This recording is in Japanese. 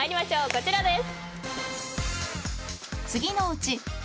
こちらです。